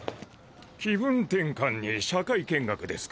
気分転換に社会見学ですかね。